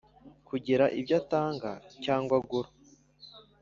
Kugira ibyo atanga cyangwa agura